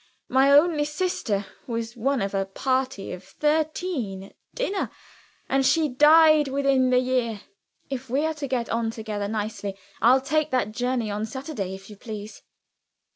My only sister was one of a party of thirteen at dinner; and she died within the year. If we are to get on together nicely, I'll take that journey on Saturday, if you please."